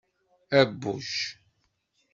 Abbuc.